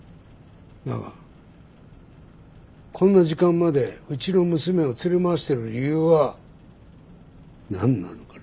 だがこんな時間までうちの娘を連れ回してる理由は何なのかな？